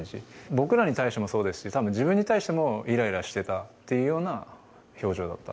僕らに対してもそうですし、たぶん、自分に対してもいらいらしてたっていうような表情だった。